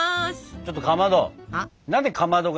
ちょっとかまど。は？